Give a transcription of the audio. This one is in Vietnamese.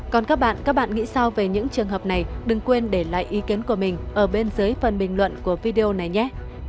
còn các bạn các bạn nghĩ sao về những trường hợp này đừng quên để lại ý kiến của mình ở bên dưới phần bình luận của video này nhé